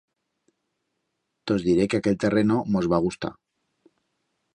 Tos diré que aquel terreno mos va gustar.